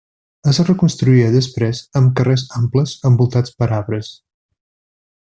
Es reconstruïa després amb carrers amples envoltats per arbres.